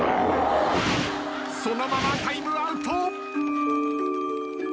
そのままタイムアウト。